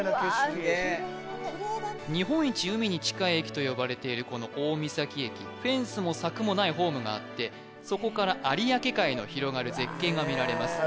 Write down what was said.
キレイだね日本一海に近い駅と呼ばれているこの大三東駅フェンスも柵もないホームがあってそこから有明海の広がる絶景が見られます・